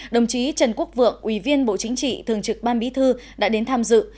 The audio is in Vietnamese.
đồng chí trần quốc vượng ủy viên bộ chính trị thường trực ban bí thư đã đến tham dự